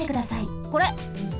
これ！